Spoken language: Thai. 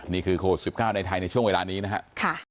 นี่คือโควิด๑๙ในไทยในช่วงเวลานี้นะครับ